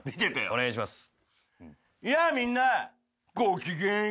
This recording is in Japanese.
お願いします。